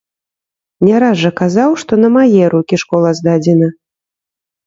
Не раз жа казаў, што на мае рукі школа здадзена.